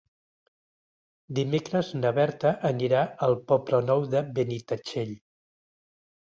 Dimecres na Berta anirà al Poble Nou de Benitatxell.